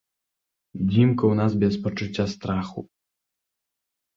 Дзімка ў нас без пачуцця страху.